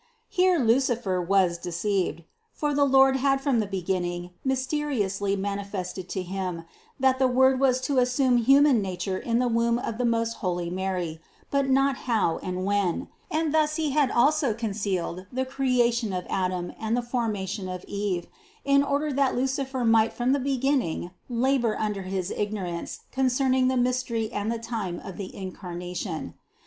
139. Here Lucifer was deceived; for the Lord had from the beginning mysteriously manifested to him, that the Word was to assume human nature in the womb of the most holy Mary, but not how and when; and thus He had also concealed the creation of Adam and the formation of Eve, in order that Lucifer might from the beginning labor under his ignorance concerning the mys tery and the time of the Incarnation.